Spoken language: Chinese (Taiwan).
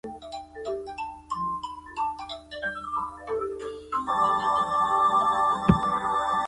我們的健保還撐得下去嗎